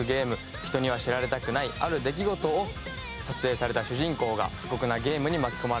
人には知られたくないある出来事を撮影された主人公が過酷なゲームに巻き込まれていく。